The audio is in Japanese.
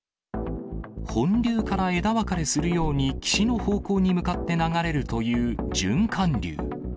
本流から枝分かれするように、岸の方向に向かって流れるという循環流。